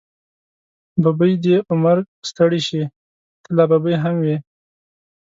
ببۍ دې په مرګ ستړې شې، ته لا ببۍ هم وی.